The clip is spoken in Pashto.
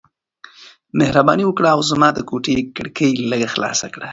مهرباني وکړه او زما د کوټې کړکۍ لږ خلاص کړه.